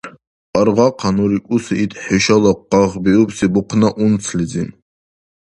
Аргъахъа ну рикӀуси ит хӀушала къагъбиубси бухъна унцлизи!